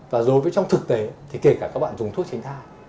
và đối với trong thực tế thì kể cả các bạn dùng thuốc tránh thai